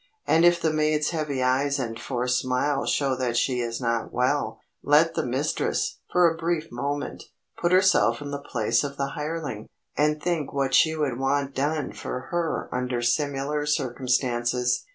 And if the maid's heavy eyes and forced smile show that she is not well, let the mistress, for a brief moment, put herself in the place of the hireling, and think what she would want done for her under similar circumstances.